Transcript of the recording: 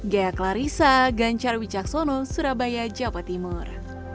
gaya clarissa ganjar wijaksono surabaya jawa timur